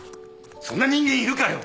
そんな人間いるかよ！？